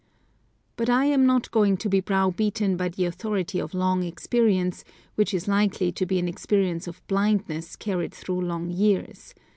But I am not going to be brow beaten by the authority of long experience, which is likely to be an experience of blindness carried through long years.